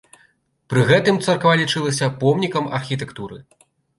Пры гэтым царква лічылася помнікам архітэктуры.